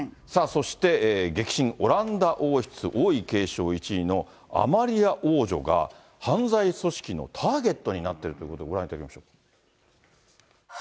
そして激震、オランダ王室王位継承１位のアマリア王女が犯罪組織のターゲットになっているということで、ご覧いただきましょう。